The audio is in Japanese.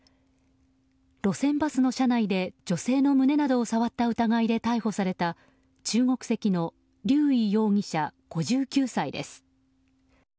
路線バスの車内で女性の胸などを触った疑いで逮捕された中国籍のリュウ・イ容疑者５９歳です。